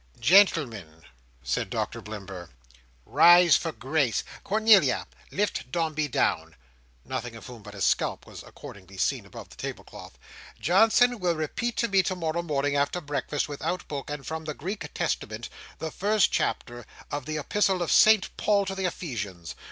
"Gentlemen," said Doctor Blimber, "rise for Grace! Cornelia, lift Dombey down"—nothing of whom but his scalp was accordingly seen above the tablecloth. "Johnson will repeat to me tomorrow morning before breakfast, without book, and from the Greek Testament, the first chapter of the Epistle of Saint Paul to the Ephesians.